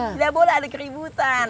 tidak boleh ada keributan